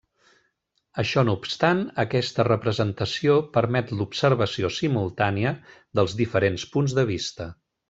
Això no obstant, aquesta representació permet l'observació simultània dels diferents punts de vista.